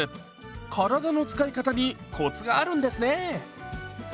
体の使い方にコツがあるんですね！